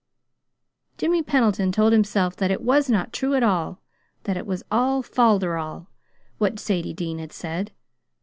Jimmy Pendleton told himself that it was not true at all; that it was all falderal, what Sadie Dean had said.